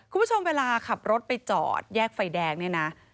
คุณผู้ชมเวลาขับรถไปจอดแยกไฟแดงเนี่ยนะ